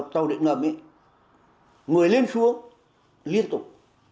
tàu đựng ngầm ý người lên xuống liên tục